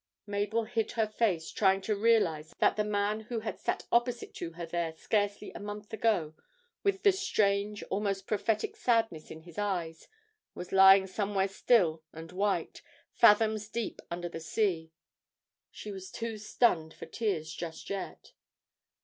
Mabel hid her face, trying to realise that the man who had sat opposite to her there scarcely a month ago, with the strange, almost prophetic, sadness in his eyes, was lying somewhere still and white, fathoms deep under the sea she was too stunned for tears just yet.